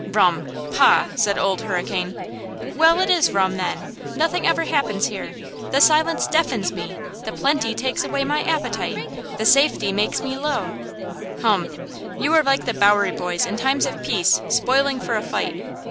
Rum! pah!" said Old Hurricane. "Well, it is rum, then! Nothing ever happens here! The silence deafens me! the plenty takes away my appetite! the safety makes me low!" "Hum! you are like the Bowery Boys in times of peace, 'spoiling for a fight.'"